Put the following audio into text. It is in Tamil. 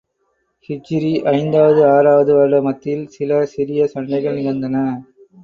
ஹிஜ்ரீ ஐந்தாவது, ஆறாவது வருட மத்தியில், சில சிறிய சண்டைகள் நிகழ்ந்தன.